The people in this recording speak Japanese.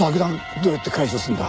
どうやって解除するんだ？